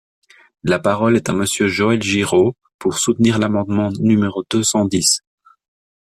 La parole est à Monsieur Joël Giraud, pour soutenir l’amendement numéro deux cent dix.